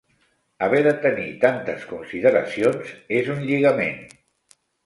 Haver de tenir tantes consideracions és un lligament.